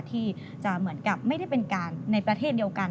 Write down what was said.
ที่จะเหมือนกับไม่ได้เป็นการในประเทศเดียวกัน